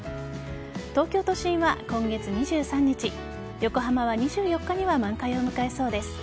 東京都心は今月２３日横浜は２４日には満開を迎えそうです。